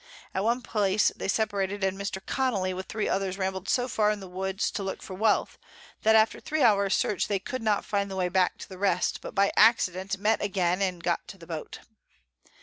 At one place they separated, and Mr. Connely with 3 others rambled so far in the Woods to look for Wealth, that after 3 hours search they could not find the Way back to the rest, but by Accident met again, and got to the Boat.